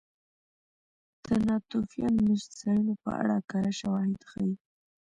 د ناتوفیان مېشتځایونو په اړه کره شواهد ښيي.